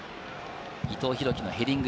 伊藤洋輝のヘディング。